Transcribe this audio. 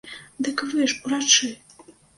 Дык вы ж урачы!